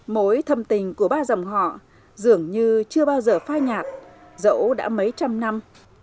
mối thâm tình của ba dòng họ dường như chưa bao giờ phai nhạt dẫu đã mấy trăm năm